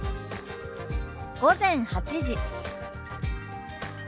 「午前８時」。